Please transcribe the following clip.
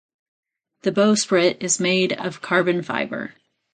The bowsprit is made of carbon fiber.